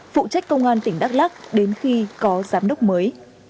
phụ trách công an tỉnh đắk lắc đến khi có giám đốc mới